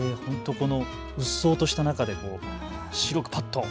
うっそうとした中で白くぱっと。